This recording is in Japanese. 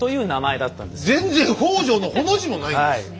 全然北条のほの字もないんです。